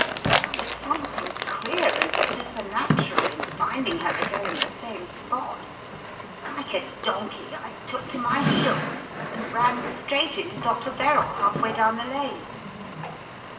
There was something queer and supernatural in finding her again in the same spot. Like a donkey I took to my heels, and ran straight into Dr. Verrall half way down the lane."